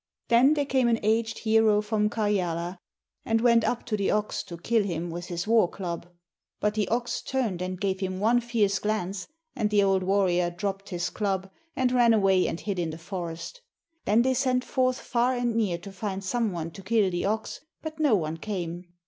Then there came an aged hero from Karjala, and went up to the ox to kill him with his war club. But the ox turned and gave him one fierce glance, and the old warrior dropped his club and ran away and hid in the forest. Then they sent forth far and near to find some one to kill the ox, but no one came.